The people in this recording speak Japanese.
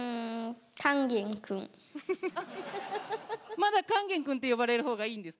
まだ勸玄君って呼ばれるほうがいいんですか。